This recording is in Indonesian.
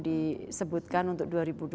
disebutkan untuk dua ribu dua puluh empat